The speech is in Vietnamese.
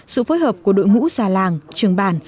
sự phối hợp của đội ngũ già làng trường bản